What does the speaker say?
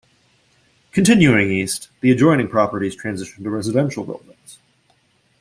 Continuing east, the adjoining properties transition to residential buildings.